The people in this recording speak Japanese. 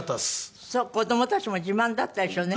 子どもたちも自慢だったでしょうね。